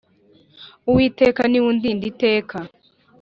uwiteka niwe undinda iteka